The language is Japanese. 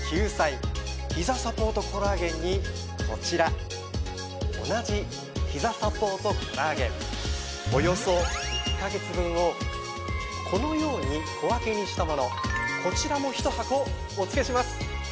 ひざサポートコラーゲンにこちら同じひざサポートコラーゲンおよそ１ヵ月分をこのように小分けにしたものこちらも１箱お付けします。